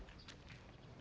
gak apa apa bu